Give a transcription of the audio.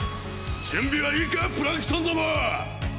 準備はいいかプランクトン共！